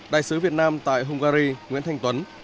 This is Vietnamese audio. đại sứ việt nam tại hungary nguyễn thanh tuấn